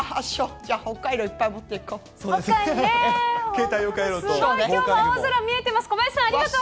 じゃあホッカイロいっぱい持っていこう。